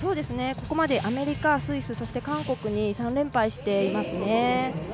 ここまで、アメリカスイス、そして韓国に３連敗しています。